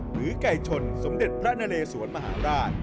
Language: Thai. หรือไก่ชนสมเด็จพระนเลสวนมหาราช